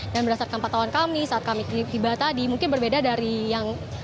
dan berdasarkan patahuan kami saat kami tiba tiba